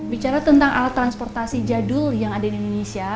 bicara tentang alat transportasi jadul yang ada di indonesia